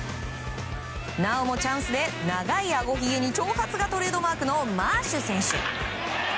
なおもチャンスで長いあごひげに長髪がトレードマークのマーシュ選手。